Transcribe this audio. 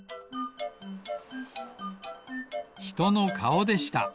ひとのかおでした！